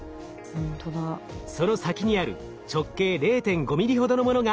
その先にある直径０．５ｍｍほどのものが燃料カプセルです。